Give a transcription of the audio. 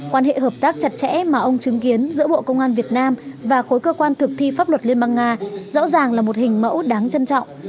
quan hệ hợp tác chặt chẽ mà ông chứng kiến giữa bộ công an việt nam và khối cơ quan thực thi pháp luật liên bang nga rõ ràng là một hình mẫu đáng trân trọng